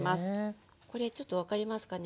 これちょっと分かりますかね。